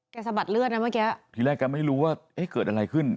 สะบัดเลือดนะเมื่อกี้ทีแรกแกไม่รู้ว่าเอ๊ะเกิดอะไรขึ้น